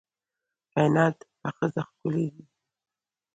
کائنات په ښځه ښکلي دي